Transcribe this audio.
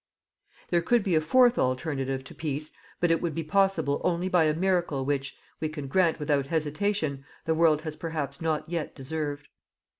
There could be a fourth alternative to peace, but it would be possible only by a miracle which, we can grant without hesitation, the world has perhaps not yet deserved.